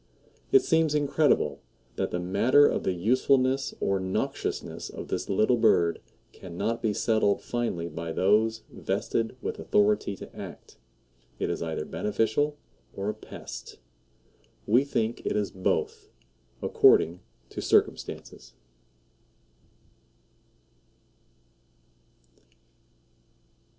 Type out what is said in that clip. It seems incredible that the matter of the usefulness or noxiousness of this little bird cannot be settled finally by those vested with authority to act. It is either beneficial or a pest. We think it is both, according to circumstances.